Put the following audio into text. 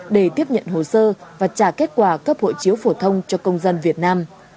để tiếp nhận hồ sơ và trả kết quả cấp hộ chiếu phổ thông cho công dân việt nam